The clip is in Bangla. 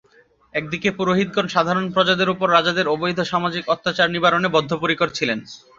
একদিকে পুরোহিতগণ সাধারণ প্রজাদের উপর রাজাদের অবৈধ সামাজিক অত্যাচার নিবারণে বদ্ধপরিকর ছিলেন।